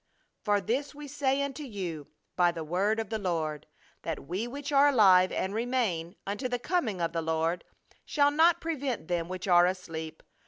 "For this we say unto you by the word of the Lord, that we which are alive and remain unto the coming of the Lord shall not prevent them which are asleep.